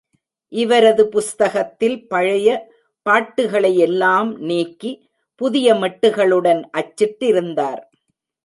இவரது புஸ்தகத்தில், பழைய பாட்டுகளையெல்லாம் நீக்கி, புதிய மெட்டுகளுடன் அச்சிட்டிருந்தார்.